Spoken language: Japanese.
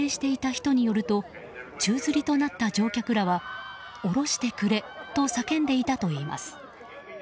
撮影した人によると宙づりとなった乗客らは下ろしてくれと叫んでいたということです。